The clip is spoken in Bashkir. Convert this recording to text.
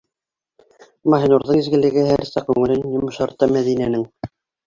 Маһинурҙың изгелеге һәр саҡ күңелен йомшарта Мәҙинәнең.